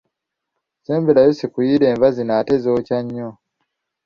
Ssemberayo sikuyiira enva zino ate zookya nnyo.